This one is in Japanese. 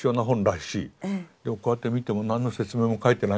でもこうやって見ても何の説明も書いてないんです。